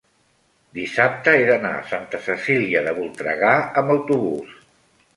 dissabte he d'anar a Santa Cecília de Voltregà amb autobús.